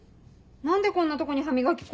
何でこんなとこに歯磨き粉？